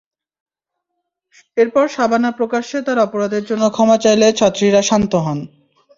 এরপর সাবানা প্রকাশ্যে তাঁর অপরাধের জন্য ক্ষমা চাইলে ছাত্রীরা শান্ত হন।